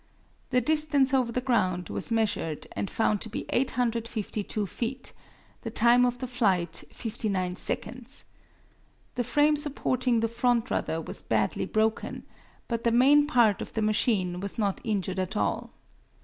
The distance over the ground was measured and found to be 852 feet; the time of the flight 59 seconds. The frame supporting the front rudder was badly broken, but the main part of the machine was not injured at all.